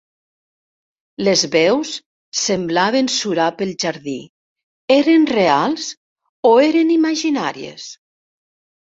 Les veus semblaven surar pel jardí, eren reals o eren imaginàries?